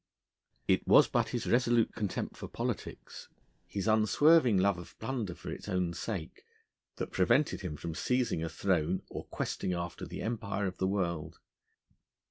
It was but his resolute contempt for politics, his unswerving love of plunder for its own sake, that prevented him from seizing a throne or questing after the empire of the world.